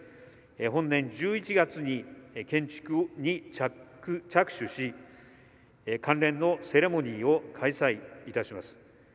本年１１月に建築に着手し関連のセレモニーを開催いたします。